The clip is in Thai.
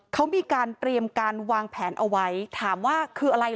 เขามีการเตรียมการวางแผนเอาไว้ถามว่าคืออะไร